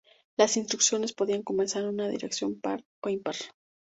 Las instrucciones podían comenzar en una dirección par o impar.